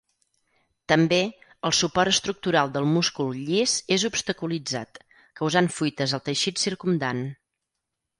També, el suport estructural del múscul llis és obstaculitzat, causant fuites al teixit circumdant.